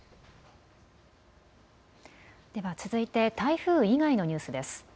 では続いて台風以外のニュースです。